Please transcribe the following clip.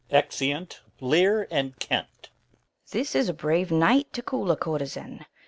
Exeunt [Lear and Kent]. Fool. This is a brave night to cool a courtesan.